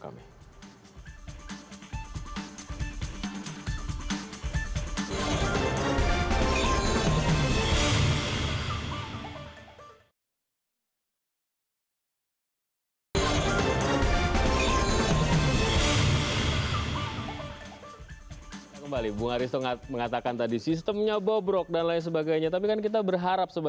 mungkin sekitar seratus an